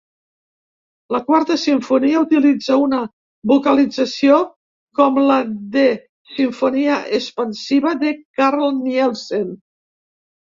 La quarta simfonia utilitza una vocalització com la de "Sinfonia Espansiva" de Carl Nielsen.